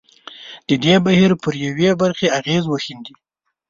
د دې بهیر پر یوې برخې اغېز وښندي.